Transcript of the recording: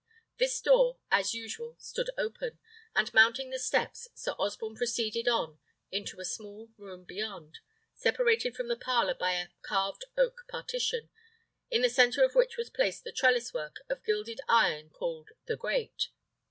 This door, as usual, stood open; and mounting the steps, Sir Osborne proceeded on into a small room beyond, separated from the parlour by a carved oak partition, in the centre of which was placed the trellis work of gilded iron called the grate.